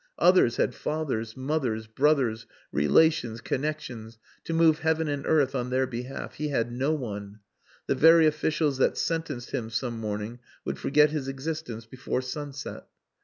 Others had fathers, mothers, brothers, relations, connexions, to move heaven and earth on their behalf he had no one. The very officials that sentenced him some morning would forget his existence before sunset.